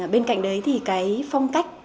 bên cạnh đấy thì cái phong cách